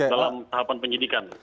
dalam tahapan penyelidikan